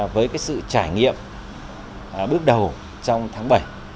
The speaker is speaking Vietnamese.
với sự trải nghiệm bước đầu trong tháng bảy